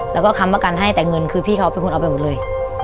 แล้วก็ค้ำประกันให้แต่เงินคือพี่เขาเป็นคนเอาไปหมดเลย